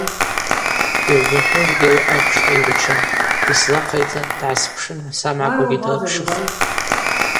Йгӏвбахузгьи ауи апшта йгӏвычан йсзахъайцӏатӏ, дгӏаспшын самгӏаквагьи дырпшыхтӏ.